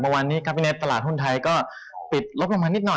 เมื่อวานนี้ครับพี่เน็ตตลาดหุ้นไทยก็ปิดลดลงมานิดหน่อย